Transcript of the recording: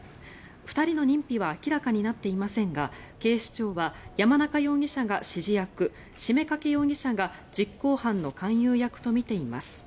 ２人の認否は明らかになっていませんが警視庁は山中容疑者が指示役七五三掛容疑者が実行犯の勧誘役とみています。